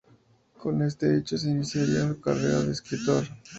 Con este hecho, se iniciaría su carrera de escritor.